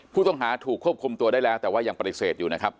ผู้ต้องหาถูกควบคุมตัวได้แล้วยังปฏิเสริฐอยู่